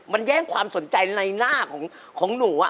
มันแย่งความสนใจในหน้าของหนู